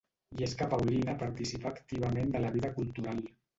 I és que Paulina participà activament de la vida cultural.